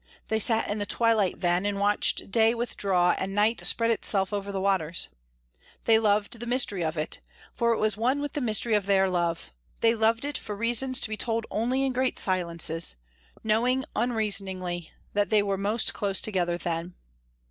They sat in the twilight then and watched day withdraw and night spread itself over the waters. They loved the mystery of it, for it was one with the mystery of their love; they loved it for reasons to be told only in great silences, knowing unreasoningly, that they were most close together then.